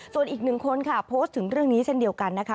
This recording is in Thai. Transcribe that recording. ส่วนอีกหนึ่งคนค่ะโพสต์ถึงเรื่องนี้เช่นเดียวกันนะคะ